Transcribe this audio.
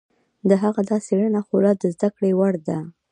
د هغه دا څېړنه خورا د زده کړې وړ ده.